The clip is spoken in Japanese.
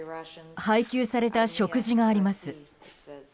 配給された食事があります。